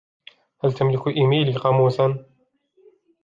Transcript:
هل تملك إيميلي قاموساً ؟